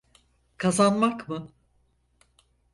Kazanmak mı?